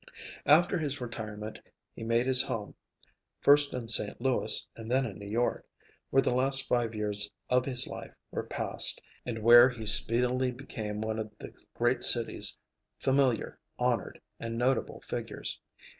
After his retirement he made his home, first in St. Louis and then in New York, where the last five years of his life were passed, and where he speedily became one of the great city's familiar, honored, and notable figures.